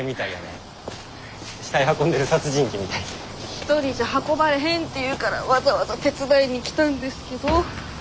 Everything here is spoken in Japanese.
一人じゃ運ばれへんっていうから「わざわざ」手伝いに来たんですけど。